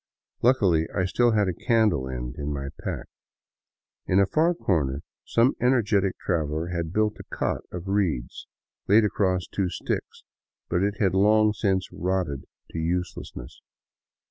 Luckily, I still had a candle end in my pack. In a far corner some energetic traveler had built a cot of reeds laid across two sticks, but it had long since rotted to uselessness.